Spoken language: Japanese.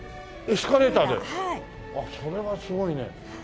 それはすごいね。